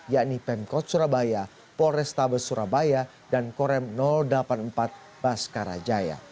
yakni pemkot surabaya polrestabes surabaya dan korem delapan puluh empat baskarajaya